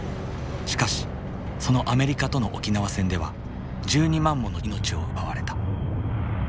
しかしそのアメリカとの沖縄戦では１２万もの命を奪われた。